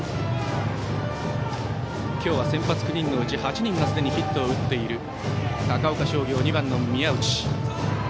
今日は先発９人のうち８人がすでにヒットを打っている高岡商業、２番、宮内。